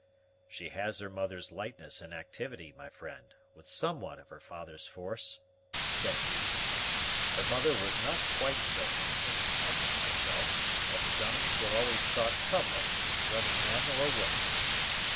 "She has her mother's lightness and activity, my friend, with somewhat of her father's force," said he. "Her mother was not quite so handsome, I think myself; but the Dunhams were always thought comely, whether men or women.